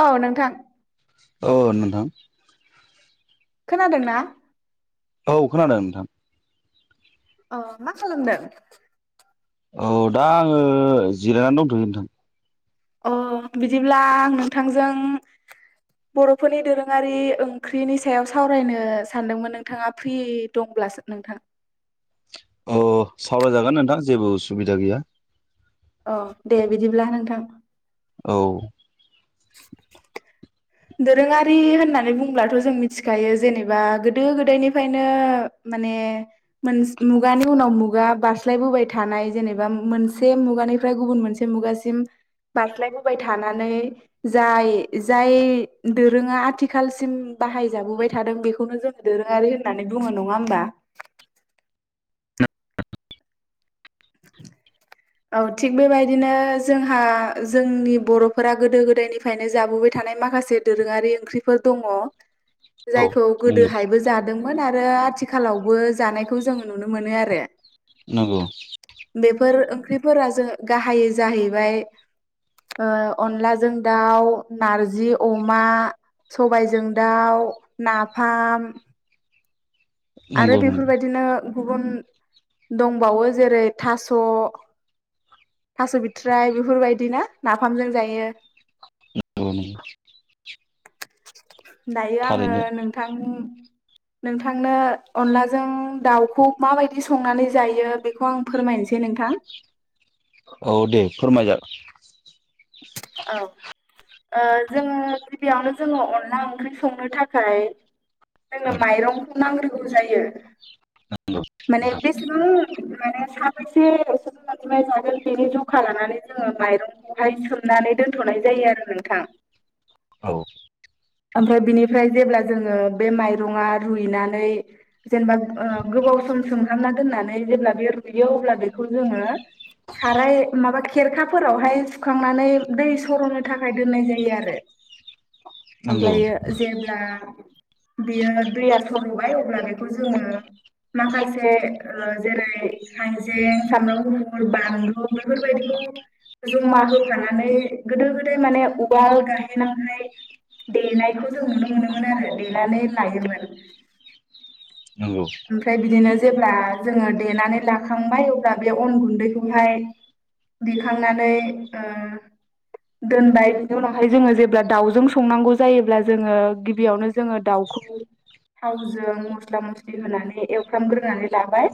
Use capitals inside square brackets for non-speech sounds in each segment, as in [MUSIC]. औ औ नोंथां । औ नोंथां खोनादोंना औ खोनादों नोंथां । अ मा खालामदों? औ दा आङो जिरायनानै दंथयो नोंथां । अ बिदिब्ला आं नोंथांजों । बर'फोरनि दोरोङारि ओंख्रनि सायाव सावरायनो सान्दोंमोन नोंथाङा फ्रि दं । अब्ला नोंथां अ सावरायजागोन नोंथां जेबो उसुबिदा गैया । अ दे बिदिब्ला नोंथां । औ । [INAUDIBLE] दोरोङारि होननानै बुंब्लाथ जों मिथिखायो जेनेबा गोदो गोदायनिफ्रायनो । माने मुगानि उनाव मुगा बारास्लायबोबाय थानाय जेनेबा मोनसे मुगानि निफ्राय गुबुन मोनसे मुगासिम बारस्लायबोबाय थानानै जाय जाय दोरोङा आथिखालसिम बाहायजाबोबाय थादों बेखौनो जोङो दोरोङारि होननानै बुङो नङा होमबा? [INAUDIBLE] [INAUDIBLE] औ थिग बेबायदिनो जोंहा जोंनि बर'फोरा गोदो गोदायनिफ्रायनो जाबोबाय थादो । माखासे दोरोङारि ओंख्रिफोर दङ औ जायखौ नंगौ गोदहायबो जादोंमोन आरो आरो आथिखालावबो जानायखौ जों नुनो मोनो आरो नंगौ? बेफोर ओंख्रिफोरा जोंओ गाहाय जाहैबाय ओ अनलाजों दाउ, नारजि अमा, सबायजों दाउ, नाफाम आरो नंगौ नंगौ बेफोरबायदिनो गुबुन दंबावो जेरै थास थास बिथ्राइ बेफोरबायदिनो नाफामजों जायो। नंगौ [INAUDIBLE] दायो आङो थारैनो नोंथां नोंथांनो अनलाजों दाउखौ माबायदि संनानै जायो बेखौ आं फोरमायनोस से नोंथां औ दे फोरमायजागोन [INAUDIBLE] औ। ओ जोङो गिबियावनो जोङो अनला ओंख्रि संनो थाखाय जोङो माइरं नांग्रोगौ जायो। नंगौ माने नोंथां बेसेबां? मेने साबेसे सुबुं अनजिमाया जागोन बेनि जखा लानानै जोङो माइरंखौहाय सोमना नानै दोनथनाय जायो आरो नोंथां। औ। ओमफ्राय बिनिफ्राय जेब्ला जोङो बे माइरंआ रुइनानै जेनेबा ओ गोबाव सम सोमहाबना दोन्नानै जेबला बे रुयो अबला बेखौ जोङो साराय माबा खि खेरखाफोरावहाय सुखांनानै दै सरनो थाखाय दोननाय जायो आरो। नंगौ ओमफ्रायो जेब्ला बियो दैया सरबाय ओ बेखौ जोंङो माखासे ओ जेरै हाइजें सामब्राम गुफुर बानलु बेफोरबायदिखौ [UNINTELLIGIBLE] जमा होफानानै गोदो गोदाय माने उवाल गाहेनाव हाय देनायखौ जों नुनो मोनोमोन आरो देनानै लायोमोन। नंगौ ओमफ्राय बिदिनो जेब्ला जोंङो देनानै लाखांबाय अब्ला बे अन गुन्दैखौहाय देखांनानै ओ दोनबाय बिनि उनावहाय जोंङो जेब्ला दाउजों संनांगौ जायोब्ला जोंङो गिबियावनो जोंङो दाउ खौ थावजों मस्ला मस्लि होनानै एवफ्रामग्रोनानै लाबाय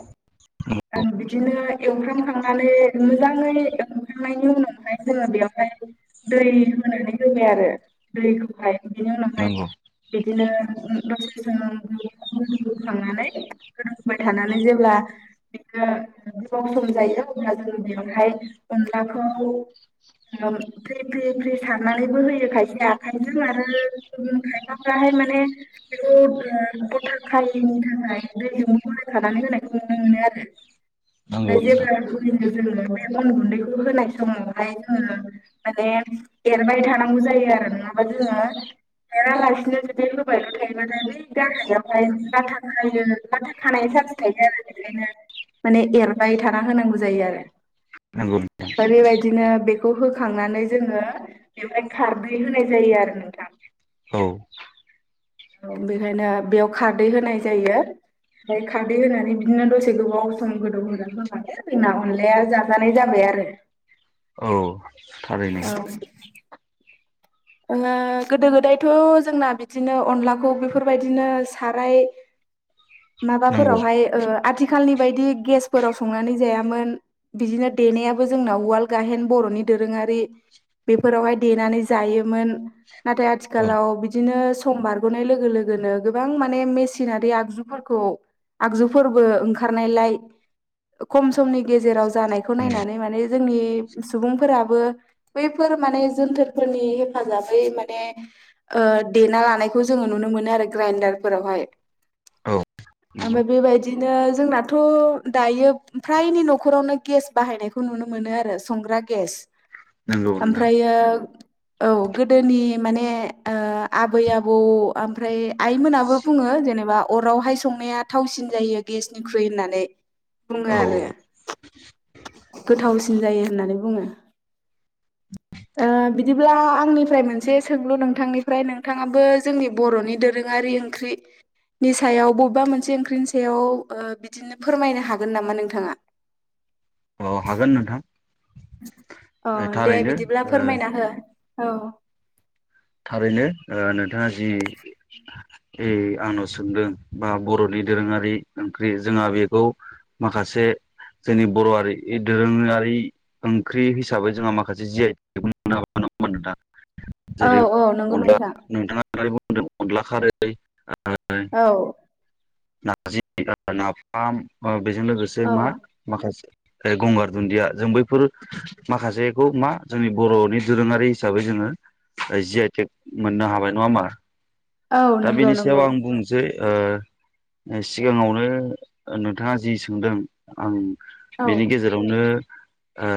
नंगौ आं बिदिनो एवफ्रामखांनानै मोजांङै एवखांनायनि उनावहाय जोंङो बेयाव ओमफ्राय दै होनानै होबाय आरो दैखौहाय बिदिनो [INAUDIBLE] बिदिनो नंगौ [INAUDIBLE] बिदिनो उम सम [UNINTELLIGIBLE] बेनो गोबाव सम जायो अब्ला जोंङो बेआवहाय अनलाखौ ओ फ्रि फ्रि फ्रि सारनानैबो होयो खायसे आखाइजों आरो खायफा फ्राहाय माने बेखौ ओ गथाखायि यिनिथाखाय दैजोंबो गलाया खानानै होनायखौ नुनो मोनो आरो नंगौ ओमफ्राय नोंथां जेब्ला जोंङो बे अन गुन्दैखौ होनाय समावहाय जोंङो माने एरबाय थानांगौ जायो यो आरो नङाबा जोंङो एरा लासिनो जुदि होबायल' थायोबाथाय बै गाहायावहाय लाथा खायो लाथा खानायनि सान्स थायो आरो बेखायनो माने एरबाय थाना होनांगौ जायो आरो। नोंगौ [UNINTELLIGIBLE] ओरैबायदिनो बेखौ होखांनानै जोंङो बेवहाय खारदै होनाय जायो आरो नोंथां। औ। औ बेखायनो बेयाव खारदै होनाय जायो। ओमफाय खारदै होनानै बिदिनो दसे गोबाव सम गोदौ होना दोननानै जोंना अनलाया जाजानाय जाबाय आरो। औ थारैनो। औ ओ गोदो गोदायथ' जोंना बिदिनो अनलाखौ बेफोरबायदिनो साराय नंगौ माबाफोरावहाय ओ आथिखालनि बायदि गेसफोराव संनानै जायामोन बिदिनो देनायाबो जोंनाव उवाल गाहेन बर'नि दोरोङारि बेफोरावहाय देनानै जायो मोन। नाथाय औ आथिखालाव बिदिनो सम बारग'नाय लोगो लोगोनो गोबां माने मेसिनारि आगजुफोरखौ खौ आगजुफोरबो ओंखारनायलाय खम समनि गेजेराव जानायखौ नंगौ नायनानै माने जोंनि सुबुंफोराबो बैफोर फोर माने जोनथोरफोरनि हेफाजाबै माने ओ देना लानायखौ जोङो नुनो मोनो आरो ग्राइन्डार फोरावहाय। औ। नंगौ ओमफाय बेबायदिनो जोंनाथ' दायो फ्रायनि न'खरावनो गेस बाहायनायखौ नुनो मोनो आरो संग्रा गेस नंगौ नोंथां ओमफ्रायो औ गोदोनि माने ओ आबै आबौ ओमफ्राय आइमोनाबो बुङो जेनेबा अरावहाय संनाया थावसिन जायो गेसनिख्रुइ होननानै। बुङो औ आरो गोथावसिन जायो होननानै बुङो। ओ बिदिब्ला आंनिफ्राय मोनसे सोंलु नोंथांनिफ्राय नोंथाङाबो जोंनि बर'नि दोनों ङारि ओंख्रि नि सायाव बबेबा मोनसे ओंख्रिनि सायाव ओ बिदिनो फोरमायनो हागोन नामा नोंथाङा? अ' हागोन नोंथां। अ' दे थारैनो बिदिब्ला ओ फोरमायना हो औ। थारैनो ओ नोंथाङा जि ए आंनाव सोंदों बा बर'नि दोरोङारि ओंख्रि जोंहा बेखौ माखासे जोंनि बर'आरि दोरोङारि ओंख्रि हिसाबै जोंहा माखासे जि आइ थेकबो [UNINTELLIGIBLE] [UNINTELLIGIBLE] औ औ। नंगौ अनला नोंथां नोंथाङा [UNINTELLIGIBLE] बुंदों अनला खारै औ। नारजि नाफाम ओ बेजों लोगोसे औ मा माखासे ओ गंगार दुन्दिया जों बैफोर माखासेखौ मा जोंनि बर'नि दोरोङारि हिसाबै जों ङो जि आइ थेक मोननो हाबाय नङा होमबा? औ दा नंगौ बेनि सायाव नंगौ आं बुंनोसै ओ सिगाङावनो नोंथाङा जि सोंदों आं औ बेनि गेजेरावनो ओ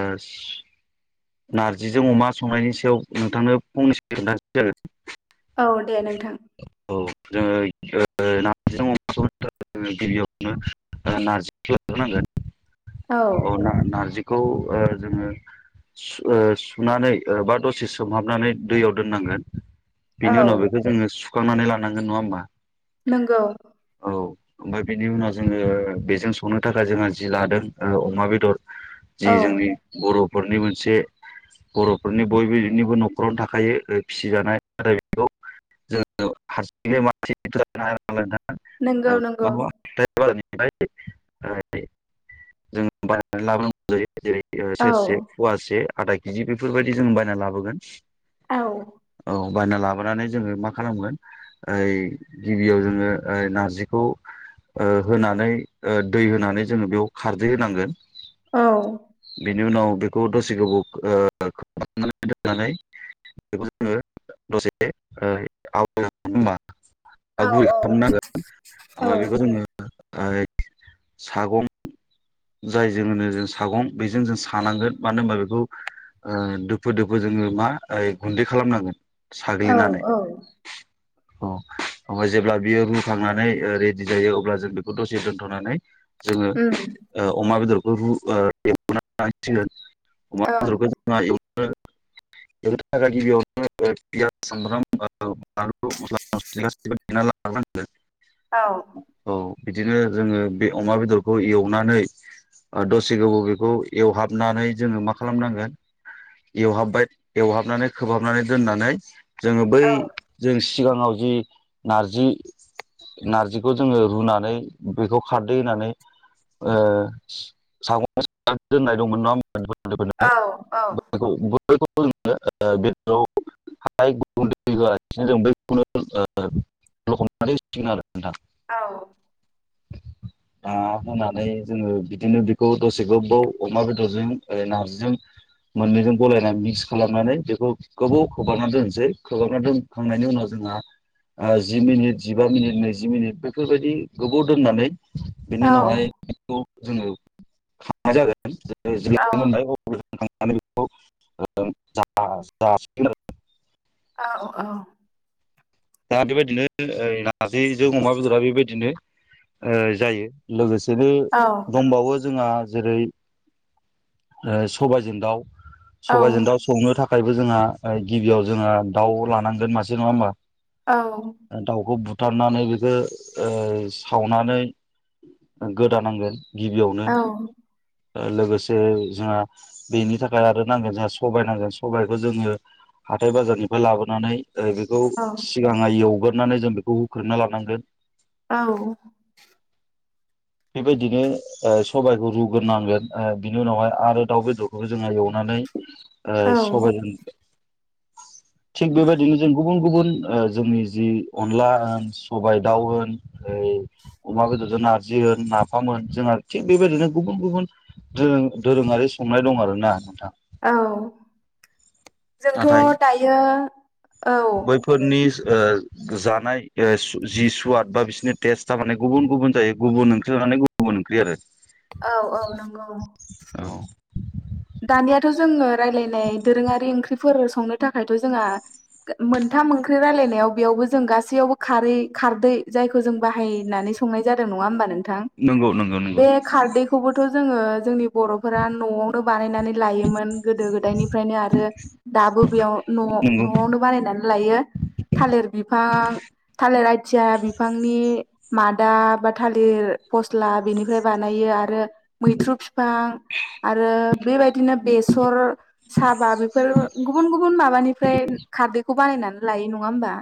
नारजिजों अमा संनायनि सायाव नोंथांनो फंनैसो खोन्थानोसै आरो औ दे नोंथां। औ जोङो ओ [UNINTELLIGIBLE] जोङो गिबियावनो नारजिखौ लाग्रोनांगोन औ ना-नारजि खौ ओ जोङो ‌ ओ सुनानै बा दसे सोमहाबनानै दैयाव दोननांगोन। बिनि उनाव औ बेखौ जोङो सुखांनानै लानांगोन नङा होमबा? नोंगौ। औ ओमफाय बिनि उनाव जोङो बेजों संनो थाखाय जोंहा जिरा होदों ओ अमा बेदर जि औ जोंनि बर' बर'नि मोनसे बर'फोरनि बयनिबो नखरावनो थाखायो फिसिजानाय बेखौ औ [UNINTELLIGIBLE] जों बायनानै [UNINTELLIGIBLE] नंगौ नंगौ लाबोनोगौ जायो जेरै औ सेरसे, फवासे, आधा केजि बेफोरबायदि जों बायना लाबोगोन औ बायना‌ लाब हनानै जोंङो मा खालामगोन ओइ गिबियाव जोंङो नारजिखौ ओ होनानै दै होनानै जोंङो बेयाव खारदै होनांगोन औ बेनि उनाव बेखौ दसे गोबाव खोबनानै दोननानै बेखौ जोंङो दसे ओ आव होनबा गुरै औ खालामनांगोन ओमफाय बेखौ जोंङो ओ सागं जायजों जों सागं बेजों जों सानांगोन मानो होनबा बेखौ ओ‌ दोफो-दोफो जोंङो मा गुन्दै खालामनांगोन साग्लिनानै औ-औ अ ओमफाय जेब्ला बियो रुखांनानै रेडि जायो अब्ला जों बेखौ दसे दोनथनानै जोंङो उम अमा बेदरखौ रु ओ एउग्रीना ओं अमाखौ जोंनो थाखाय गिबियावनो फियास, सामब्राम, बानलु, मसला‌-मसलि गासैखौबो देना‌ लाग्रो नांगोन औ ओ बिदिनो जोंङो बे अमा बेदरखौ एवनानै ओ दसे गोबाव बेखौ एवहाबनानै जोंङो मा खालामनांगोन एवहाबबाय एवहाबनानै खोबहाबनानै दोननानै जोंङो बै औ जों सिगाङाव जि नारजि नारजिखौ जोङो रुनानै बेखौ खारदै होनानै ओ सागं दोननाय दंमोन नङा खौ औ [UNINTELLIGIBLE] ह ग होआनो जों बखौनो हमनानै आरो नोंथां [UNINTELLIGIBLE] औ ना होनानै जोङो बिदिनो बेखौ दसे गोबाव अमा बेदरजों नारजिजों मोननैजों गलायनानै मिक्स खालामनानै बेखौ गोबाव खोबांना दोनसै खोबांना दोनखांनायनि उनाव जोंहा जि मिनिट, जिबा मिनिट, नैजि मिनिट बेफोरबायदि गोबाव दोननानै औ बिनि उनावहाय बेखौ जोंङो औ [UNINTELLIGIBLE] [INAUDIBLE] औ -औ -औ दा बेबायदिनो नार्जिजों अमा बेदरा बेबायदिनो ओ जायो लोगोसे जेरै दंबावो जोंहा जेरै सबायजों दाउ सबायाइजों दाउ संनो थाखायबो जोंहा गिबियाव जोंहा दाउ लानांगोन मासे नङा होमबा औ दाउखौ बु थारनानै बेखौ सावनानै गोदानांगोन गिबियावनो लोगोसे जोंहा बेनि थाखाय आरो नांगोन जोंहा सबाइ नांगोन सबायखौ जोङो हाथाय बाजारनिफ्राय लाबोनानै बेखौ माइ एवग्रोनानै जों बेखौ होख्रोमना लानांगोन औ बेबायदिनो सबायखौ रुग्रोनांगोन बिनि उनावहाय आरो दाउ बेदरखौ जोङो एवनानै ओ औ सबायजों थिग बेबायदिनो जों गुबुन गुबुन ओ जोंनि जि अनला होन सबाइ दाउ होन ओ अमा बेदरजों नारजि होन नाफाम होन जोंना थिग बेबायदिनो गुबुन गुबुन दोरों दोरोङारि संनाय दं आरो ना नोंथां। औ नाथाय जोंथ' दायो औ। जिस ओ जानाइ ओ जि सुवाद बा बिसोरनि टेस्ट आ गुबुन गुबुन जायो गुबुन ओंख्रि लानानै गुबुन ओंख्रि आरो। औ औ नंगौ। औ दानियाथ' जोङो राय्लायनाय दोरोङारि ओंख्रिफोर संनो थाखायथ' जोंहा मोनथाम ओख्रि रायलायनायाव बेयावबो जों गासैयावबो खारै खारदै जायखौ जों बाहायनानै संनाय जालों नंङा होमबा नोंथां? नंगौ नंगौ नंगौ बे खारदैखौबो थ' जोङो जोंनि बर'फोरा न'आव बानायनानै लायोमोन गोदो गोदायनिफ्रायनो आरो दाबो बेयाव न' नंगौ न'आवनो बानायनानै लायो थालिर बिफां थालिर आइथिया बिफांनि मादा बा थालिर फस्ला बेनिफ्राय बानायो आरो मैथ्रु बिफां आरो बेबाय बिदिनो बेसर साबा बेफोर गुबुन गुबुन माबानिफ्राय खारदै खौ बानायनानै लायो नङा होमबा?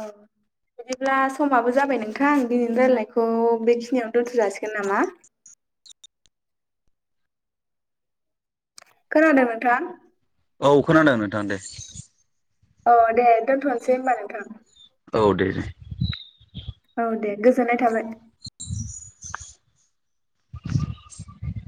औ। बिदिब्ला समाबो जाबाय नोंथां दिनैनि रायजनायखौ बेखिनियावनो दोन्थ जासिगोन नामा? खोनादों नोंथां? औ खोनादों नोंथां दे। औ दे दोनथनोसै होमबा नोंथां। औ दे दे। औ दे गोजोननाय थाबाय। [INAUDIBLE]